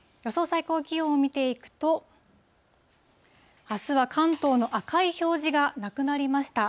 最高気温を見ていくと、あすは関東の赤い表示がなくなりました。